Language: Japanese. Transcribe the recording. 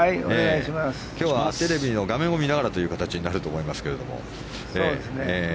今日はテレビの画面を見ながらという形になると思いますけれども。